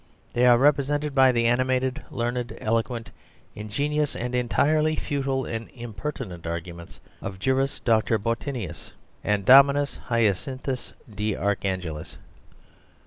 They are represented by the animated, learned, eloquent, ingenious, and entirely futile and impertinent arguments of Juris Doctor Bottinius and Dominus Hyacinthus de Archangelis.